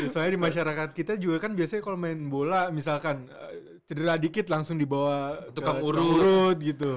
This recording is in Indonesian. soalnya di masyarakat kita juga kan biasanya kalau main bola misalkan cedera dikit langsung dibawa tukang urut gitu